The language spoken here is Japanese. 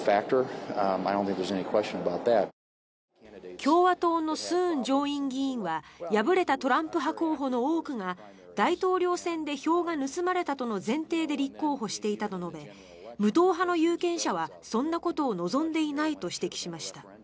共和党のスーン上院議員は敗れたトランプ派候補の多くが大統領選で票が盗まれたとの前提で立候補していたと述べ無党派の有権者はそんなことを望んでいないと指摘しました。